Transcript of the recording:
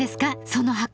その箱。